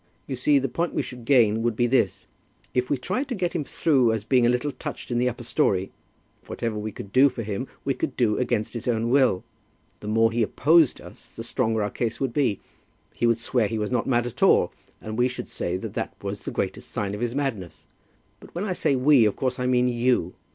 You see, the point we should gain would be this, if we tried to get him through as being a little touched in the upper story, whatever we could do for him, we could do against his own will. The more he opposed us the stronger our case would be. He would swear he was not mad at all, and we should say that that was the greatest sign of his madness. But when I say we, of course I mean you.